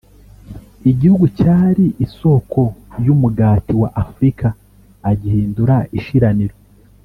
igihugu cyari isoko y’umugati wa Afurika agihindura ishiraniro